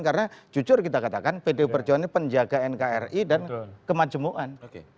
karena jujur kita katakan pdi perjuangan ini penjaga nkri dan kemanjemuan